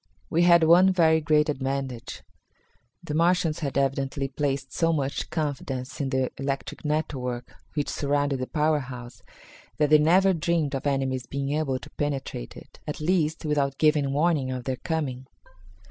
We had one very great advantage. The Martians had evidently placed so much confidence in the electric network which surrounded the power house that they never dreamed of enemies being able to penetrate it at least, without giving warning of their coming.